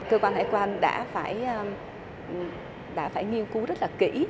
cơ quan hải quan đã phải nghiên cứu rất là kỹ